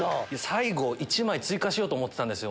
最後１枚追加しようと思ってたんですよ。